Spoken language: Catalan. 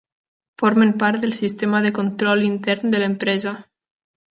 Formen part del sistema de control intern de l'empresa.